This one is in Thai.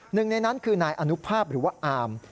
หนึ่งในนั้นคือนายอนุภาพหรือว่าอาม